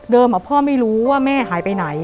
พ่อไม่รู้ว่าแม่หายไปไหน